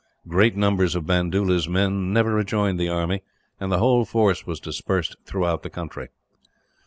Great numbers of Bandoola's men never rejoined the army, and the whole force was dispersed through the country.